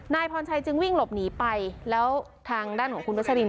นายพรชัยจึงวิ่งหลบหนีไปแล้วทางด้านของคุณวัชลิน